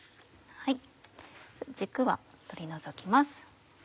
軸は取り除きます。